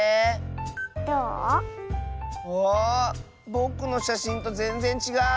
ぼくのしゃしんとぜんぜんちがう！